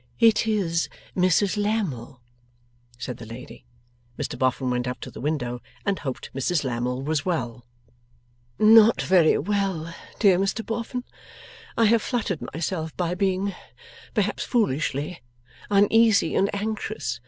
'It is Mrs Lammle,' said the lady. Mr Boffin went up to the window, and hoped Mrs Lammle was well. 'Not very well, dear Mr Boffin; I have fluttered myself by being perhaps foolishly uneasy and anxious.